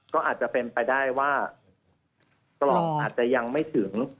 ก็อาจจะเป็นไปได้ว่ากล่องอาจจะยังไม่ถึง